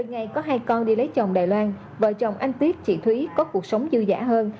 mỗi ngày có hai con đi lấy chồng đài loan vợ chồng anh tiết chị thúy có cuộc sống dư dã hơn